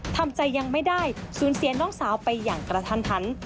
ทำใจยังไม่ได้สูญเสียน้องสาวไปอย่างกระทัน